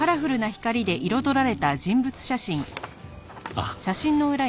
あっ。